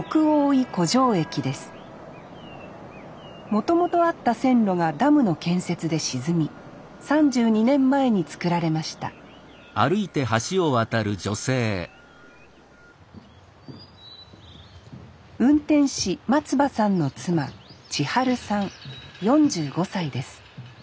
もともとあった線路がダムの建設で沈み３２年前につくられました運転士松葉さんの妻千晴さん４５歳です。